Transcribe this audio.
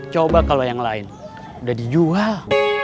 coba kalau yang lain udah dijual